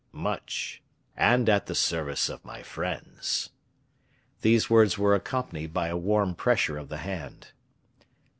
"Much; and at the service of my friends." These words were accompanied by a warm pressure of the hand.